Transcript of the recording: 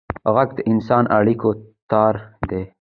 غږ د انساني اړیکو تار دی